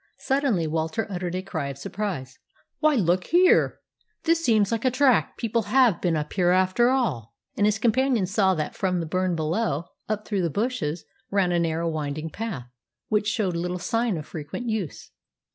Suddenly, Walter uttered a cry of surprise. "Why, look here! This seems like a track. People have been up here after all!" And his companion saw that from the burn below, up through the bushes, ran a narrow winding path, which showed little sign of frequent use.